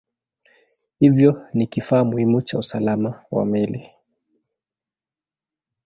Hivyo ni kifaa muhimu cha usalama wa meli.